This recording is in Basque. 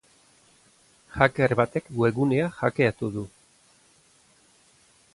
Hacker batek webgunea hackeatu du.